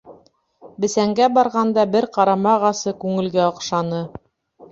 — Бесәнгә барғанда бер ҡарама ағасы күңелгә оҡшаны.